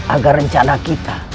agar rencana kita